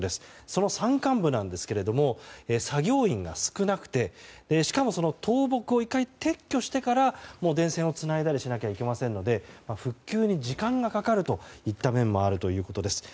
その山間部ですが作業員が少なくてしかも倒木を１回撤去してから電線をつないだりしないといけませんので復旧に時間がかかるという面もあるということです。